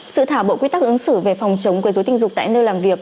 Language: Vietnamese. sự thảo bộ quy tắc ứng xử về phòng chống quyền rối tình dục tại nơi làm việc